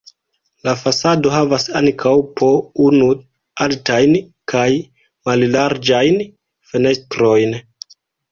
La fasado havas ankaŭ po unu altajn kaj mallarĝajn fenestrojn.